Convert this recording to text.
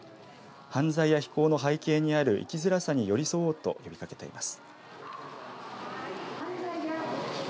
犯罪や非行の背景にある生きづらさに寄り添おうと呼びかけています。